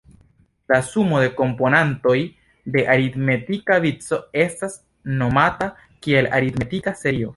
La sumo de komponantoj de aritmetika vico estas nomata kiel aritmetika serio.